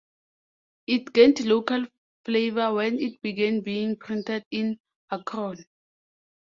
It gained local flavor when it began being printed in Akron.